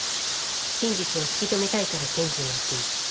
真実を突き止めたいから検事をやっている。